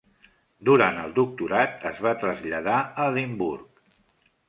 Durant el doctorat, es va traslladar a Edimburg.